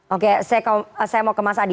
oke saya mau ke mas adi